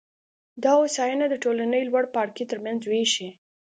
دا هوساینه د ټولنې لوړ پاړکي ترمنځ وېشي